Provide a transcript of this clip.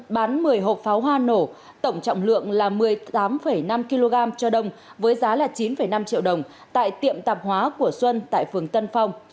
bán một mươi hộp pháo hoa nổ tổng trọng lượng là một mươi tám năm kg cho đông với giá là chín năm triệu đồng tại tiệm tạp hóa của xuân tại phường tân phong